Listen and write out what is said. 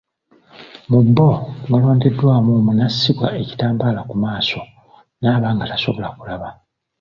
Mu bo mulondebwamu omu n’asibwa ekitambaala ku maaso n’aba nga tasobola kulaba.